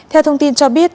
theo thông tin cho biết